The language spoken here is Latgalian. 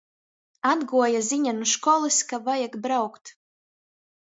Atguoja ziņa nu školys, ka vajag braukt.